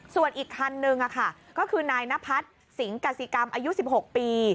ส่วนอีกคันนึงก็คือนายนพัฒน์สิงห์กสิกรรมอายุ๑๖ปี